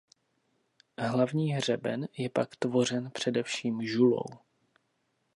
Hlavní hřeben je pak tvořen především žulou.